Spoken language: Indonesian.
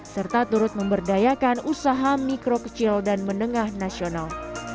serta turut memberdayakan usaha mikro kecil dan menengah nasional